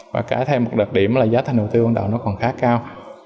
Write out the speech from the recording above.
và thêm một đặc điểm là giá thành đầu tiên còn khá cao